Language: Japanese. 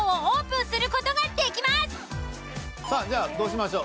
さあじゃあどうしましょう？